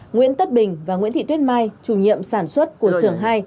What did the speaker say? nguyễn tất bình và nguyễn thị tuyết mai chủ nhiệm sản xuất của sưởng hai